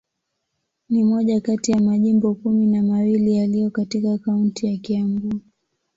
Ni moja kati ya majimbo kumi na mawili yaliyo katika kaunti ya Kiambu.